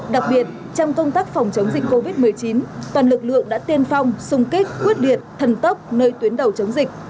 đặc biệt trong công tác phòng chống dịch covid một mươi chín toàn lực lượng đã tiên phong sung kích quyết liệt thần tốc nơi tuyến đầu chống dịch